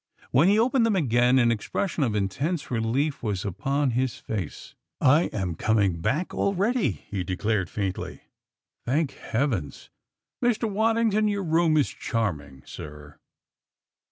When he opened them again, an expression of intense relief was upon his face. "I am coming back already," he declared faintly. "Thank Heavens! Mr. Waddington, your room is charming, sir.